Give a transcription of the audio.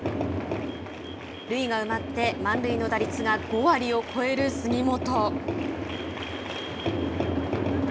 塁が埋まって満塁の打率が５割を超える杉本。